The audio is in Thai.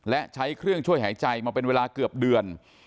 และใช้เครื่องช่วยหายใจมาเป็นเวลาเกือบเดือน